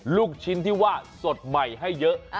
ลูกชิ้นที่ว่าสดใหม่ให้เยอะ